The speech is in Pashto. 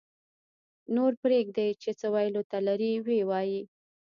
-نور پرېږدئ چې څه ویلو ته لري ویې وایي